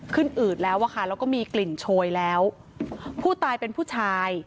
อืดแล้วอะค่ะแล้วก็มีกลิ่นโชยแล้วผู้ตายเป็นผู้ชาย